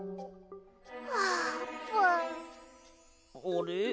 あれ？